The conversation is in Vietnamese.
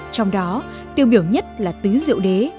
trong đó tiêu biểu nhất là tứ diệu đế